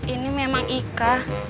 ini memang ika